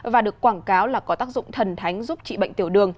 và được quảng cáo là có tác dụng thần thánh